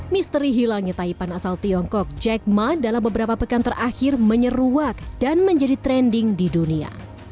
misteri hilangnya taipan asal tiongkok jack ma dalam beberapa pekan terakhir menyeruak dan menjadi trending di dunia